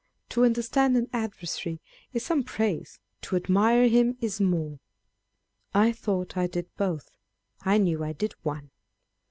To understand an adversary is some praise : to admire him is more. I thought I did both : I knew I did one.